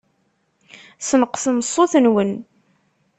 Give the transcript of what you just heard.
Sneqṣem ṣṣut-nwen.